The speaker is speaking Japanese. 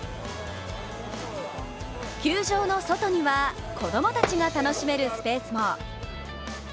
球場の外には、子供たちが楽しめるスペースも。